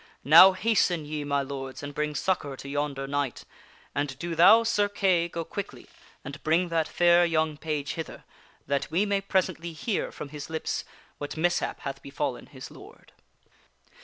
Now hasten, ye my lords, and bring succor to yonder knight ; and do thou, Sir Kay, go quickly and bring that fair young page hither that we may presently hear from his lips what mishap hath befallen his lord."